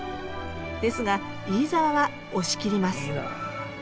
ですが飯沢は押し切ります。